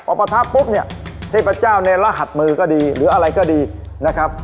พอประทับปุ๊บเนี่ยเทพเจ้าในรหัสมือก็ดีหรืออะไรก็ดีนะครับ